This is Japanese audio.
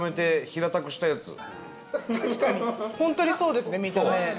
確かに本当にそうですね見た目。